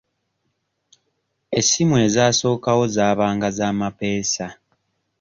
Essimu ezasookawo zaabanga za mapeesa.